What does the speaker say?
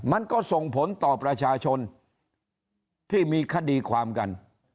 มันก็ส่งผลต่อประชาชนที่มีคดีความกัน